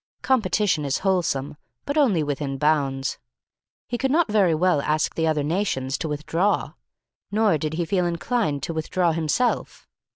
Competition is wholesome, but only within bounds. He could not very well ask the other nations to withdraw. Nor did he feel inclined to withdraw himself.